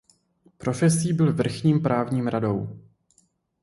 Profesí byl vrchním právním radou.